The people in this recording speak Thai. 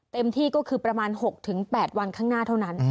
เต็มที่ก็คือประมาณ๖๘วันข้างหน้าเท่านั้น